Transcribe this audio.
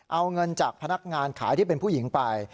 เอาเงินจากพนักงานขายที่เป็นผู้หญิงไป